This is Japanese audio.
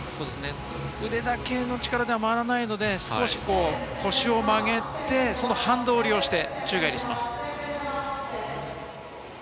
腕だけの力では回れないので、少し腰を曲げて、その反動を利用して宙返りします。